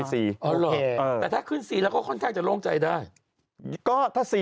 แต่ถ้าขึ้น๔ก็ค่อนแข้งจะโล่งใจได้